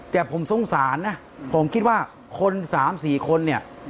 แต่ผมสงสารนะผมคิดว่าคน๓๔คนเนี่ย